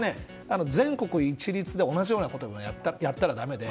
全国一律で同じようなことをやったらだめで。